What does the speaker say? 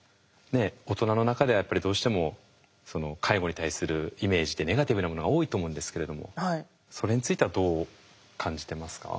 大人の中ではやっぱりどうしても介護に対するイメージってネガティブなものが多いと思うんですけれどもそれについてはどう感じてますか？